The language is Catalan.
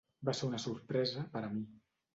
Va ser una sorpresa per a mi.